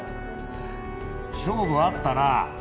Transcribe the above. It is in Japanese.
勝負あったな！